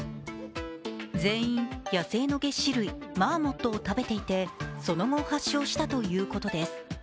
全員、野生のげっ歯類・マーモットを食べていてその後、発症したということです。